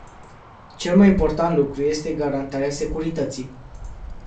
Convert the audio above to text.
Cel mai important lucru este garantarea securității.